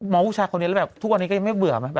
มองผู้ชายคนนี้ทุกวันนี้ก็ยังไม่เบื่อไหม